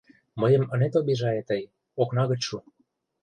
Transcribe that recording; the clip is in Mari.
Мыйым ынет обижае тый, окна гыч шу.